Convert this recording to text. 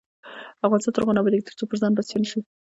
افغانستان تر هغو نه ابادیږي، ترڅو پر ځان بسیا نشو.